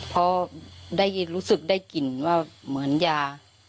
เพราะได้รู้สึกได้กลิ่นว่าเหมือนยา